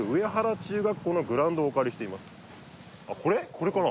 これかな？